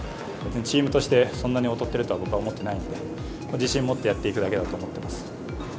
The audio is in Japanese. チームとして、そんなに劣っているとは僕は思ってないので、自信持ってやっていくだけだと思ってます。